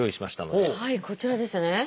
はいこちらですね。